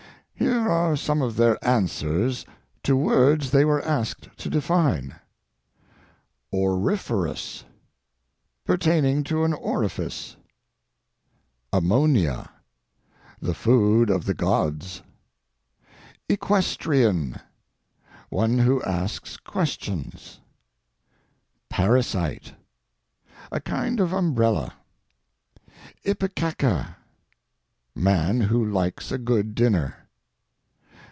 Here are some of their answers to words they were asked to define: Auriferous—pertaining to an orifice; ammonia—the food of the gods; equestrian—one who asks questions; parasite—a kind of umbrella; ipecaca—man who likes a good dinner.